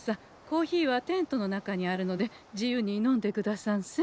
コーヒーはテントの中にあるので自由に飲んでくださんせ。